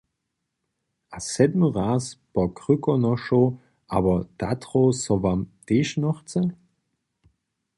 A sedmy raz do Krkonošow abo Tatrow so wam tež nochce?